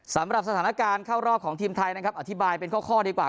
สำหรับสถานการณ์เข้ารอบของทีมไทยนะครับอธิบายเป็นข้อดีกว่า